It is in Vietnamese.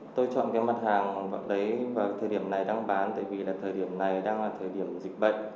tôi chọn cái mặt hàng đấy vào thời điểm này đang bán tại vì là thời điểm này đang là thời điểm dịch bệnh